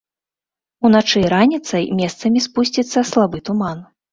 Уначы і раніцай месцамі спусціцца слабы туман.